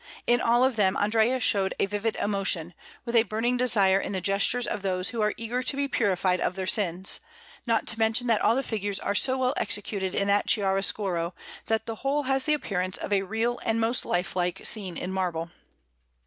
In all of them Andrea showed a vivid emotion, with a burning desire in the gestures of those who are eager to be purified of their sins; not to mention that all the figures are so well executed in that chiaroscuro, that the whole has the appearance of a real and most lifelike scene in marble.